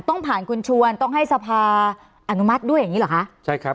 ต้องผ่านคุณชวนต้องให้สภาอนุมัติด้วยอย่างนี้เหรอคะใช่ครับ